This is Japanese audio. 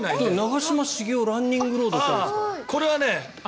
長嶋茂雄ランニングロードってあるんですか？